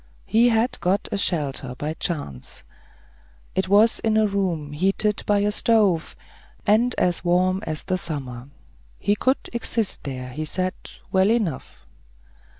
He had got a shelter by chance. It was in a room heated by a stove, and as warm as summer. He could exist here, he said, well enough.